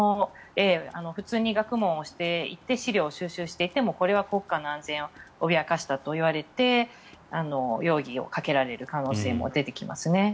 普通に学問をしていて資料を収集していてもこれは国家の安全を脅かしたといわれて容疑をかけられる可能性も出てきますね。